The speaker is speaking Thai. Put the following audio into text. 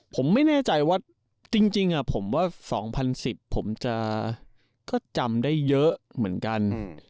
ผมไม่แน่ใจว่าจริงผมว่า๒๐๑๐ผมจะจำได้เยอะเหมือนกัน